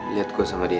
liat gue sama dia